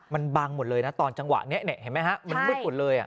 มันบังหมดเลยนะตอนจังหวะนี้มันมืดหมดเลย